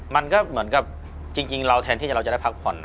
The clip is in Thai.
มันก็เหมือนกับจริงเราแทนที่เราจะได้พักผ่อนนะ